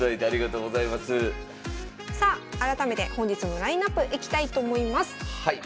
さあ改めて本日のラインナップいきたいと思います。